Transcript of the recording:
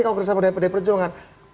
kalau kerja sama pdi perjuangan